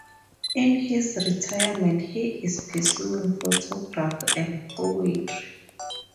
In his retirement he is pursuing photography and poetry.